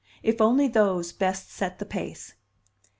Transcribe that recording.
If only those best set the pace!"